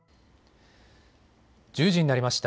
１０時になりました。